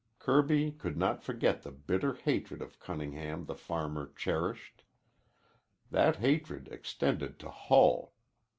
Kirby could not forget the bitter hatred of Cunningham the farmer cherished. That hatred extended to Hull.